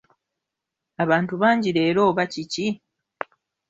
Abantu bangi leero oba kiki?